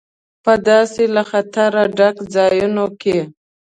په داسې له خطره ډکو ځایونو کې.